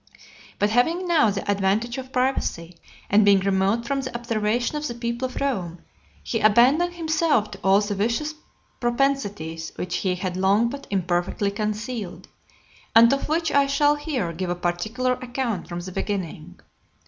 XLII. But having now the advantage of privacy, and being remote from the observation of the people of Rome, he abandoned himself to all the vicious propensities which he had long but imperfectly concealed, and of which I shall here give a particular account from the beginning.